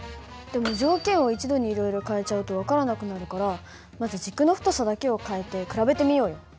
でも条件を一度にいろいろ変えちゃうと分からなくなるからまず軸の太さだけを変えて比べてみようよ。